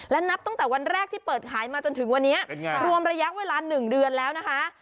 และนับตั้งแต่วันแรกที่เปิดขายมาจนถึงวันนี้รวมระยะเวลา๑เดือนแล้วนะคะ